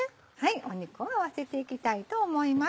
肉を合わせていきたいと思います。